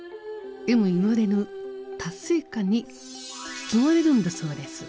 えも言われぬ達成感に包まれるんだそうです。